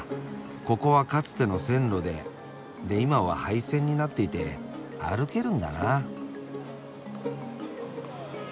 ここはかつての線路でで今は廃線になっていて歩けるんだな。